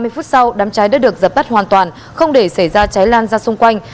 ba mươi phút sau đám cháy đã được dập tắt hoàn toàn không để xảy ra cháy lan ra xung quanh